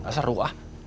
gak seru ah